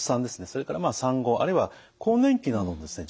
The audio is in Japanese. それからまあ産後あるいは更年期などのですね